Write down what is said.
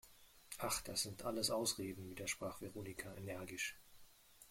Ach, das sind alles Ausreden, widersprach Veronika energisch.